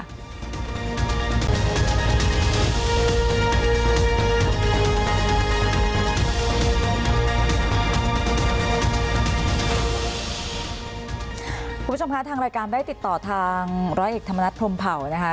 คุณผู้ชมคะทางรายการได้ติดต่อทางร้อยเอกธรรมนัฐพรมเผานะคะ